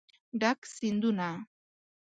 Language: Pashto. ډک سیندونه